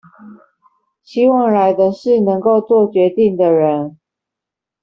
希望來的是能夠作決定的人